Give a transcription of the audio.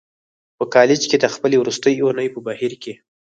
په کالج کې د خپلې وروستۍ اونۍ په بهیر کې